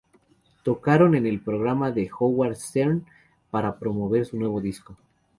Tocaron en el programa de Howard Stern para promover su nuevo disco.